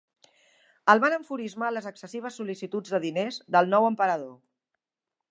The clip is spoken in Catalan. El van enfurismar les excessives sol·licituds de diners del nou emperador.